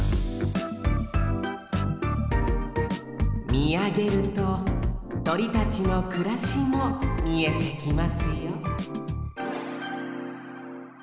みあげるととりたちのくらしもみえてきますよ